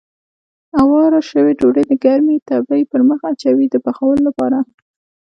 اواره شوې ډوډۍ د ګرمې تبۍ پر مخ اچوي د پخولو لپاره.